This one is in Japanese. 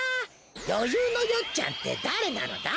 よゆうのよっちゃんってだれなのだ！